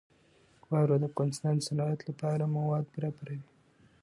واوره د افغانستان د صنعت لپاره مواد برابروي.